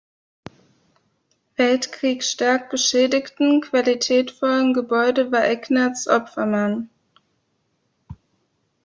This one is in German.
Weltkrieg stark beschädigten, qualitätvollen Gebäude war Ignaz Opfermann.